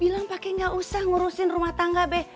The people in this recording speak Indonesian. bilang pake gak usah ngurusin rumah tangga be